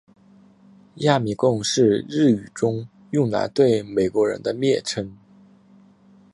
亚米公是日语中用来对美国人的蔑称。